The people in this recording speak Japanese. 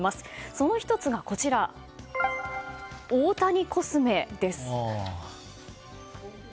その１つが大谷コスメです。